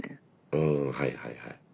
うんはいはいはい。